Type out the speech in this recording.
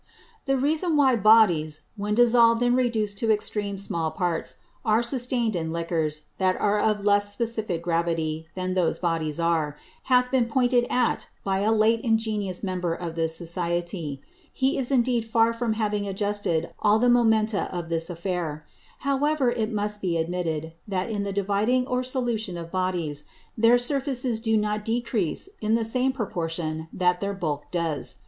The Reason why Bodies, when dissolved and reduced to extreme small Parts, are sustain'd in Liquors that are of less specifick Gravity than those Bodies are, hath been pointed at by a late ingenious Member of this Society. He is indeed far from having adjusted all the Momenta of this Affair; however it must be admitted, that, in the dividing or solution of Bodies, their Surfaces do not decrease in the same Proportion that their Bulk does.